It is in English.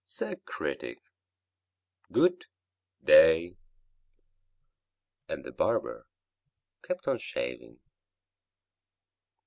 Sir Critic, good day!" And the barber kept on shaving.